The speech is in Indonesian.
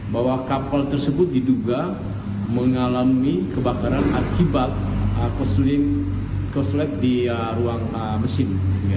bahwa kapal tersebut diduga mengalami kebakaran akibat korslet di ruang mesin